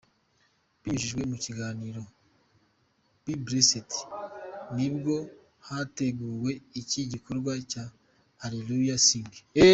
Binyujijwe mu kiganiro Be Blessed nibwo hateguwe iki gikorwa cya Hallelujah Sing.